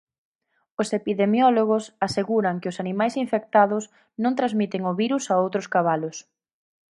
Os epidemiólogos aseguran que os animais infectados non transmiten o virus a outros cabalos.